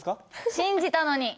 信じたのに！